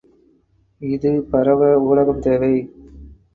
இது பரவ ஊடகம் தேவை.